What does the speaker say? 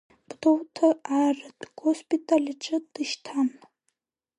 Гәдоуҭа арратә госпиталь аҿы дышьҭан.